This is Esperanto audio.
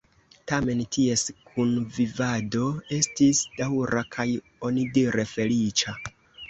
Tamen ties kunvivado estis daŭra kaj onidire feliĉa.